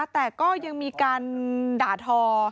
แต่ก็ยังมีการด่าทอ